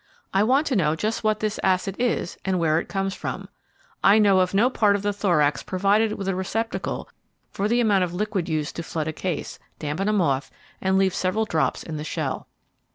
I want to know just what this acid is and where it comes from. I know of no part of the thorax provided with a receptacle for the amount of liquid used to flood a case, dampen a moth, and leave several drops in the shell.